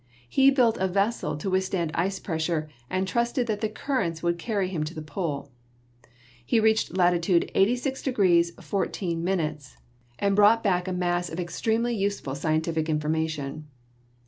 He built a vessel to withstand ice pressure and trusted that the currents would carry him to the Pole. He reached latitude 86° 14', and brought back a mass of extremely useful scientific infor mation.